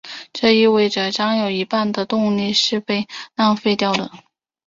这意味者有将近一半的动力是被浪费掉的。